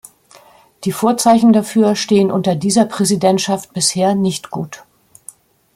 Die Vorzeichen dafür stehen unter dieser Präsidentschaft bisher nicht gut.